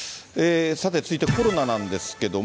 さて、続いてコロナなんですけれども。